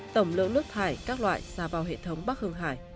tổng lượng nước thải các loại ra vào hệ thống bắc hương hải